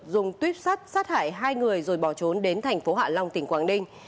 dùng tuyếp sát sát hại hai người rồi bỏ trốn đến thành phố hạ long tỉnh quảng đinh